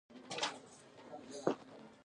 دوران وویل عبدالروف د آس سورلۍ ښه پوهېږي.